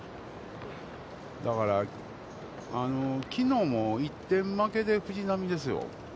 だから、きのうも１点負けで藤浪ですよ。